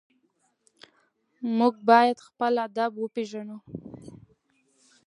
موږ باید خپل ادب وپېژنو.